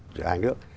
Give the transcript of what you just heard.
giữa hai nước